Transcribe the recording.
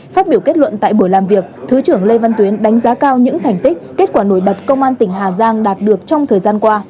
phát biểu kết luận tại buổi làm việc thứ trưởng lê văn tuyến đánh giá cao những thành tích kết quả nổi bật công an tỉnh hà giang đạt được trong thời gian qua